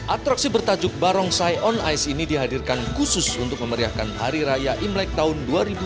atraksi bertajuk barongsai on ice ini dihadirkan khusus untuk memeriahkan hari raya imlek tahun dua ribu dua puluh